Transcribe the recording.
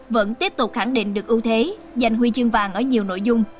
vẫn tiếp tục khẳng định được ưu thế giành huy chương vàng ở nhiều nội dung